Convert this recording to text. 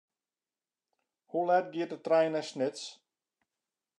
Hoe let giet de trein nei Snits?